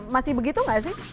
masih begitu nggak sih